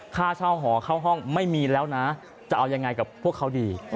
ค่าเช่าหอเข้าห้องไม่มีแล้วนะจะเอายังไงกับพวกเขาดี